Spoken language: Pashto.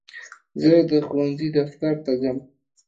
زه د ښوونځي دفتر ته ځم.